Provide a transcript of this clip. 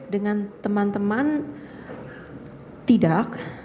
dengan teman teman tidak